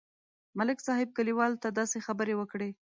ملک صاحب کلیوالو ته داسې خبرې وکړې.